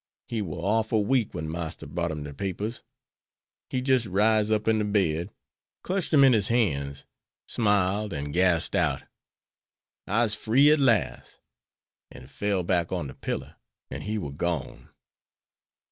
He war orful weak when Marster brought him de free papers. He jis' ris up in de bed, clutched dem in his han's, smiled, an' gasped out, 'I'se free at las'; an' fell back on de pillar, an' he war gone.